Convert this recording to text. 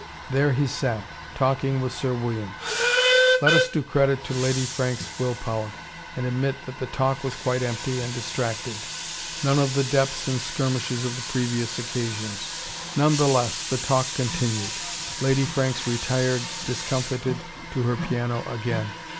There he sat, talking with Sir William. Let us do credit to Lady Franks' will power, and admit that the talk was quite empty and distracted none of the depths and skirmishes of the previous occasions. None the less, the talk continued. Lady Franks retired, discomfited, to her piano again.